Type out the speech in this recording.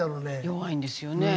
弱いんですよね。